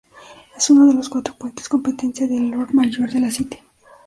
Es uno de los cuatro puentes competencia del Lord Mayor de la City.